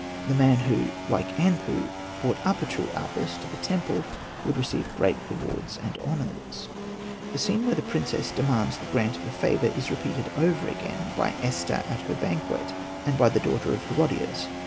The man who, like Anpu, brought up a true Apis to the temple would receive great rewards and honours. The scene where the princess demands the grant of a favour is repeated over again by Esther at her banquet, and by the daughter of Herodias.